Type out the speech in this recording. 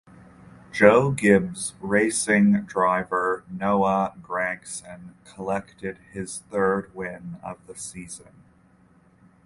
Joe Gibbs Racing driver Noah Gragson collected his third win of the season.